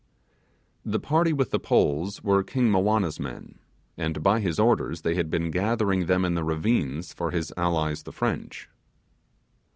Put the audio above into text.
The party with the poles were King Mowanna's men, and by his orders they had been gathering them in the ravines for his allies the French.